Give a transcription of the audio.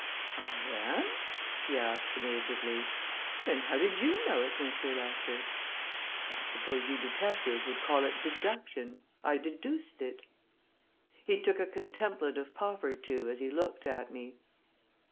"I am?" he asked amazedly. "Then how did you know it, Mr. Lester?" "I suppose you detectives would call it deduction I deduced it." He took a contemplative puff or two, as he looked at me.